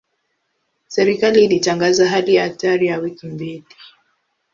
Serikali ilitangaza hali ya hatari ya wiki mbili.